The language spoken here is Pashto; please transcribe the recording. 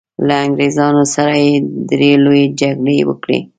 له انګریزانو سره یې درې لويې جګړې وکړې.